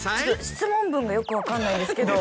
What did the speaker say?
質問文がよく分かんないですけど。